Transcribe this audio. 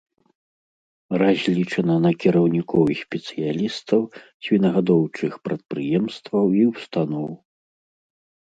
Разлічана на кіраўнікоў і спецыялістаў свінагадоўчых прадпрыемстваў і ўстаноў.